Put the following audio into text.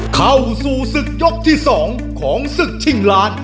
เข้าสู่ศึกยกที่๒ของศึกชิงล้าน